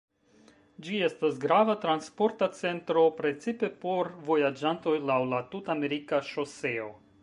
Ĝi estas grava transporta centro, precipe por vojaĝantoj laŭ la Tut-Amerika Ŝoseo.